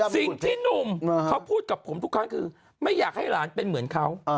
สิ่งที่หนุ่มเขาพูดกับผมทุกครั้งคือไม่อยากให้หลานเป็นเหมือนเขา